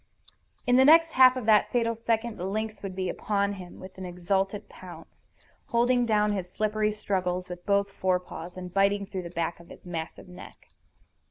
In the next half of that fatal second the lynx would be upon him with an exultant pounce, holding down his slippery struggles with both forepaws, and biting through the back of his massive neck.